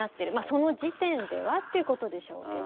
その時点ではっていうことでしょうけど。